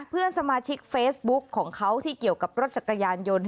เพื่อนสมาชิกเฟซบุ๊คของเขาที่เกี่ยวกับรถจักรยานยนต์